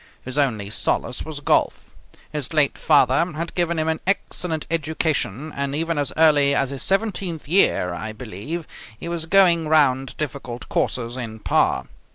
His only solace was golf. His late father had given him an excellent education, and, even as early as his seventeenth year, I believe, he was going round difficult courses in par.